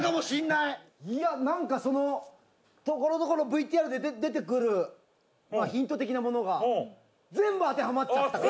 いやなんかそのところどころＶＴＲで出てくるヒント的なものが全部当てはまっちゃったから。